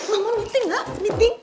mama meeting ya meeting